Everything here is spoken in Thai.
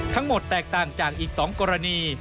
ทั้งหมดแตกต่างจากอีก๒กรณี